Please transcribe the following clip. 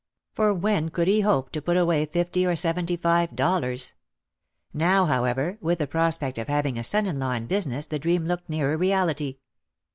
For when could he hope to put away fifty or seventy five dollars ! Now, however, with the prospect of having a son in law in business the dream looked nearer reality.